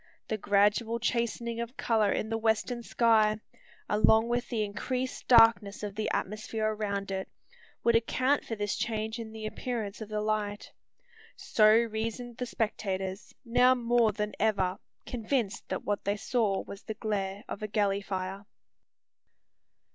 The gradual chastening of colour in the western sky, along with the increased darkness of the atmosphere around it, would account for this change in the appearance of the light. So reasoned the spectators, now more than ever convinced that what they saw was the glare of a galley fire.